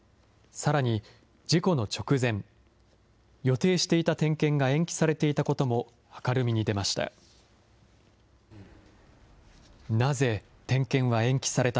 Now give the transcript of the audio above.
さらに、事故の直前、予定していた点検が延期されていたことも明るみに出ました。